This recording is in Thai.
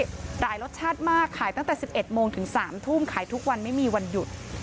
หลายรสชาติมากขายตั้งแต่๑๑โมงถึง๓ทุ่มขายทุกวันไม่มีวันหยุด